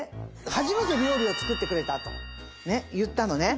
初めて料理を作ってくれたとねっ言ったのね。